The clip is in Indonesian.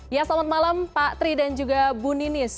ya selamat malam pak tri dan juga bu ninis